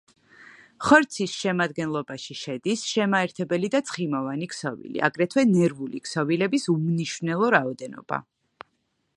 ხორცის შედგენილობაში შედის შემაერთებელი და ცხიმოვანი ქსოვილი, აგრეთვე ნერვული ქსოვილების უმნიშვნელო რაოდენობა.